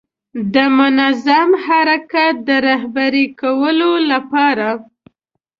د منظم حرکت د رهبري کولو لپاره.